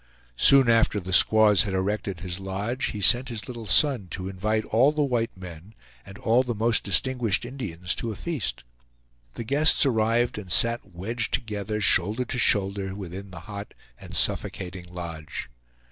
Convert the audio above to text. Soon after the squaws had erected his lodge, he sent his little son to invite all the white men, and all the most distinguished Indians, to a feast. The guests arrived and sat wedged together, shoulder to shoulder, within the hot and suffocating lodge.